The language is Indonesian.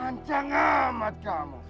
mancang amat kamu